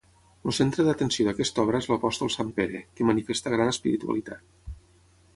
El centre d'atenció d'aquesta obra és l'apòstol sant Pere, que manifesta gran espiritualitat.